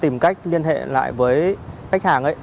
tôi tìm cách liên hệ lại với khách hàng ấy